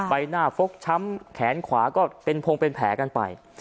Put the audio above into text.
ใบหน้าฟกช้ำแขนขวาก็เป็นพงเป็นแผลกันไป